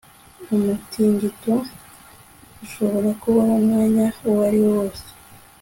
umutingito urashobora kubaho umwanya uwariwo wose